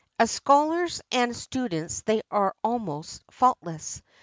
As scholars and students they are almost faultless.